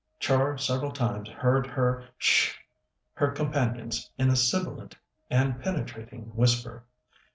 Char several times heard her "H'sh!" her companions in a sibilant and penetrating whisper.